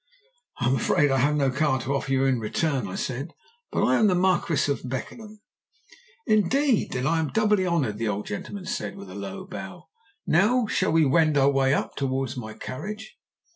"'I am afraid I have no card to offer you in return,' I said; 'but I am the Marquis of Beckenham.' "'Indeed! Then I am doubly honoured,' the old gentleman said, with a low bow. 'Now shall we wend our way up towards my carriage?'